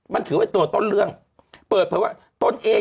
มันถือว่าตัวต้นเรื่องเปิดเพราะว่าต้นเอง